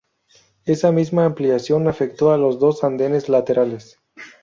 Esa misma ampliación afectó a los dos andenes laterales.